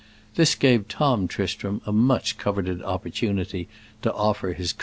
This gave Tom Tristram a much coveted opportunity to offer his condolences.